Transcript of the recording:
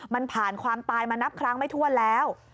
มันผ่านความตายมานับครั้งไม่ถ้วนแล้ว